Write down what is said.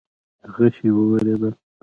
غشې وورېدې.